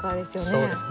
そうですね。